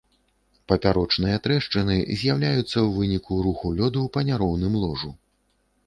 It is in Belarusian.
Папярочныя трэшчыны з'яўляюцца ў выніку руху лёду па няроўным ложу.